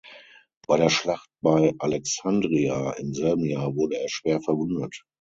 Bei der Schlacht bei Alexandria im selben Jahr wurde er schwer verwundet.